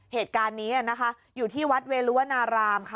เหตุการณ์นี้นะคะอยู่ที่วัดเวลุวนารามค่ะ